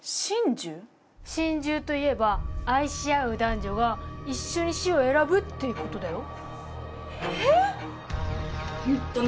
「しんじゅう」といえば愛し合う男女が一緒に死を選ぶっていうことだよ。